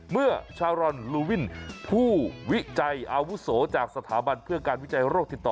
เมื่อชารอนลูวินผู้วิจัยอาวุโสจากสถาบันเพื่อการวิจัยโรคติดต่อ